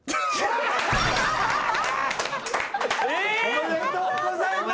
おめでとうございます。